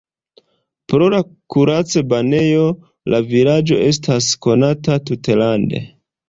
Pro la kuracbanejo la vilaĝo estas konata tutlande.